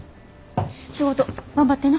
仕事頑張ってな。